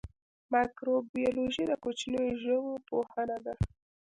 مایکروبیولوژي د کوچنیو ژویو پوهنه ده